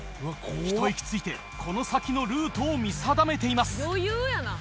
ひと息ついてこの先のルートを見定めています。